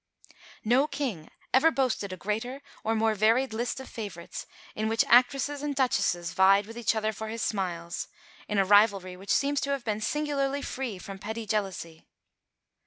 No King ever boasted a greater or more varied list of favourites, in which actresses and duchesses vied with each other for his smiles, in a rivalry which seems to have been singularly free from petty jealousy.